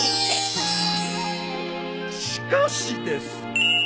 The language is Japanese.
しかしです。